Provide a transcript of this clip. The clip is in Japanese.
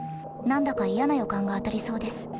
何だか嫌な予感が当たりそうです。